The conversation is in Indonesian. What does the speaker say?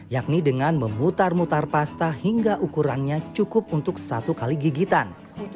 yakni dengan memutar mutar pasta hingga ukurannya cukup untuk satu kali gigitan